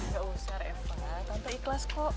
gak usah reva tante ikhlas kok